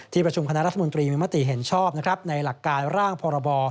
ประชุมคณะรัฐมนตรีมีมติเห็นชอบในหลักการร่างพรบ